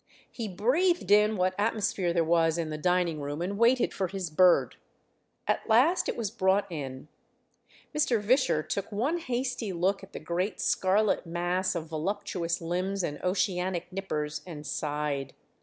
He breathed in what atmosphere there was in the dining room, and waited for his bird. At last it was brought in. Mr. Visscher took one hasty look at the great scarlet mass of voluptuous limbs and oceanic nippers, and sighed.